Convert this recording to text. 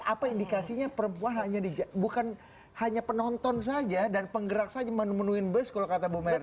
apa indikasinya perempuan hanya di bukan hanya penonton saja dan penggerak saja memenuhi bus kalau kata bu maher